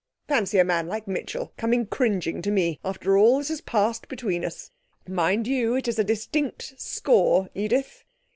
Fancy a man like Mitchell coming cringing to me, after all that has passed between us! Mind you, it's a distinct score, Edith!'